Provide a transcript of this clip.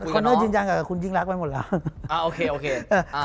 คอนเนอร์ยืนยันกับคุณจริงรักไว้หมดแล้ว